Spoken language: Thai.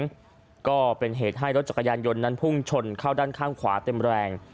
แล้วก็เป็นเหตุให้รถจักรยานยนต์นั้นพุ่งชนเข้าด้านข้างขวาเต็มแรง